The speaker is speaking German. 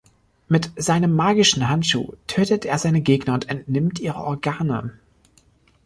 Mit seinem magischen Handschuh tötet er seine Gegner und entnimmt ihre Organe.